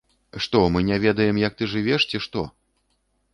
Што, мы не ведаем, як ты жывеш, ці што?